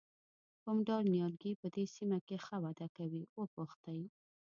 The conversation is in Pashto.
کوم ډول نیالګي په دې سیمه کې ښه وده کوي وپوښتئ.